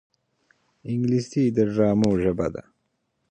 انګلیسي د ډرامو ژبه ده